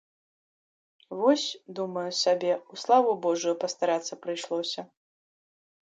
Вось, думаю сабе, у славу божую пастарацца прыйшлося.